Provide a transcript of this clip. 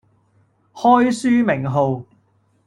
開書名號